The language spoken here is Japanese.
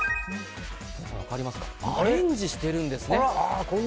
アレンジしているんですね。